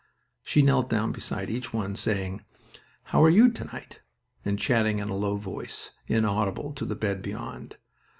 She knelt down beside each one, saying, "How are you to night?" and chatting in a low voice, inaudible to the bed beyond.